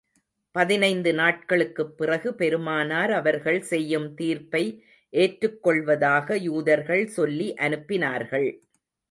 பதினைந்து நாட்களுக்குப் பிறகு, பெருமானார் அவர்கள் செய்யும் தீர்ப்பை ஏற்றுக் கொள்வதாக யூதர்கள் சொல்லி அனுப்பினார்கள்.